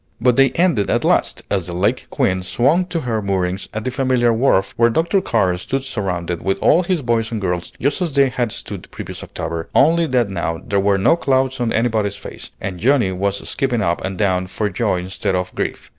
But they ended at last, as the "Lake Queen" swung to her moorings at the familiar wharf, where Dr. Carr stood surrounded with all his boys and girls just as they had stood the previous October, only that now there were no clouds on anybody's face, and Johnnie was skipping up and down for joy instead of grief.